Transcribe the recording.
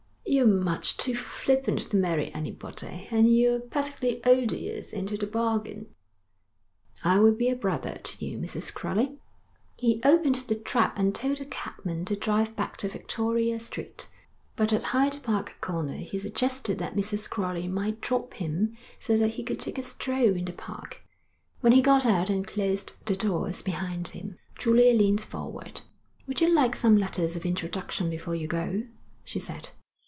'You're much too flippant to marry anybody, and you're perfectly odious into the bargain.' 'I will be a brother to you, Mrs. Crowley.' He opened the trap and told the cabman to drive back to Victoria Street, but at Hyde Park Corner he suggested that Mrs. Crowley might drop him so that he could take a stroll in the park. When he got out and closed the doors behind him, Julia leaned forward. 'Would you like some letters of introduction before you go?' she said.